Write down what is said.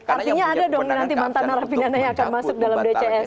artinya ada dong nanti mantan narapidana yang akan masuk dalam dcs